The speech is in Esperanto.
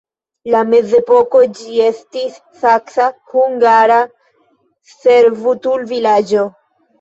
En mezepoko ĝi estis saksa-hungara servutulvilaĝo.